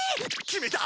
決めた！